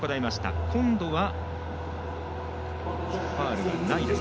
今度は、ファウルではないです。